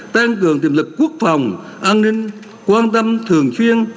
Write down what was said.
tăng cường tiềm lực quốc phòng an ninh quan tâm thường xuyên